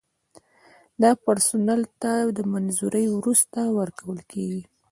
دا پرسونل ته د منظورۍ وروسته ورکول کیږي.